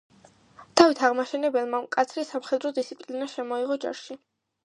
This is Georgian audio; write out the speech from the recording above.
დავით აღმაშენებელმა მკაცრი სამხედრო დისციპლინა შემოიღო ჯარში.